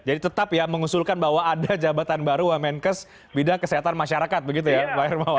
jadi tetap ya mengusulkan bahwa ada jabatan baru wamenkes bidang kesehatan masyarakat begitu ya pak hermawan